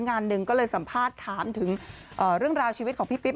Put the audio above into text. งานหนึ่งก็เลยสัมภาษณ์ถามถึงเรื่องราวชีวิตของพี่ปิ๊